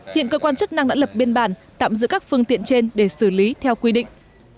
hiện cơ quan chức năng đã lập biên bản tạm giữ các phương tiện trên để xử lý theo quy định